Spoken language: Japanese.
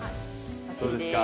どうですか？